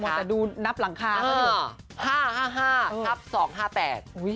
หมดแต่ดูนับหลังคาก็อยู่